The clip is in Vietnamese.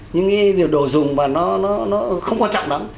những điều đồ dùng và nó không quan trọng lắm